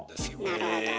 なるほど。